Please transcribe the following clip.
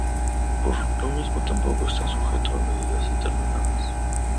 Por lo mismo, tampoco está sujeto a medidas determinadas.